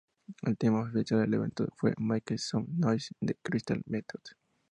El tema oficial del evento fue "Make Some Noise" de The Crystal Method.